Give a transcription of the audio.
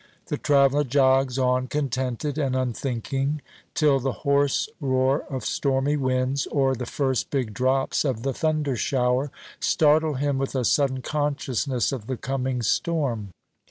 The traveller jogs on contented and unthinking, till the hoarse roar of stormy winds, or the first big drops of the thunder shower, startle him with a sudden consciousness of the coming storm.